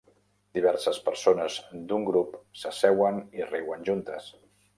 Diverses persones d'un grup s'asseuen i riuen juntes.